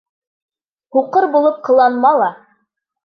Һуҡыр булып ҡыланма ла.